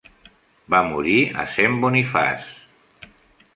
Va morir a Saint Boniface.